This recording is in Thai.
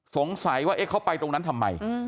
สงสัยว่าเขาไปตรงนั้นทำไม